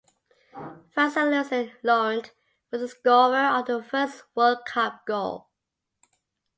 France's Lucien Laurent was the scorer of the first World Cup goal.